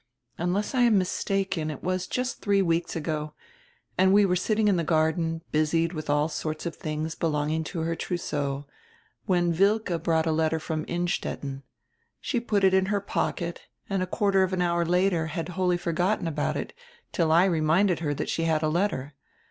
"Unless I am mistaken, it was just three weeks ago, and we were sitting in the garden, busied with all sorts of tilings belonging to her trousseau, when Wilke brought a letter from Innstetten. She put it in her pocket and a quarter of an hour later had wholly forgotten about it, till I reminded her that she had a letter.